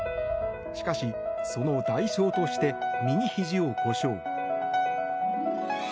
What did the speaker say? しかし、その代償として右ひじを故障。